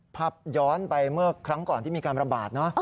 ภาพย้อนไปเมื่อครั้งก่อนที่มีการระบาดเนอะ